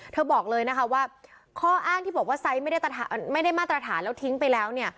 บอกเลยนะคะว่าข้ออ้างที่บอกว่าไซส์ไม่ได้มาตรฐานแล้วทิ้งไปแล้วเนี่ย